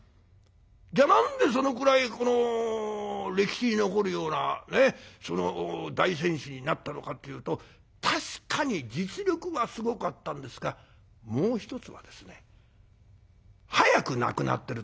じゃあ何でそのくらい歴史に残るような大選手になったのかというと確かに実力はすごかったんですがもう一つはですね早く亡くなってるというこれなんですね。